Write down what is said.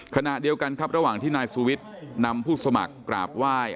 ขณะเดียวกันครับระหว่างที่นายสุวิทย์นำผู้สมัครกราบไหว้